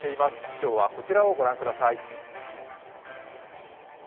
今日はこちらをご覧ください。